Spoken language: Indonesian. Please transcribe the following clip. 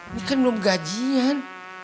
ini kan belum gajian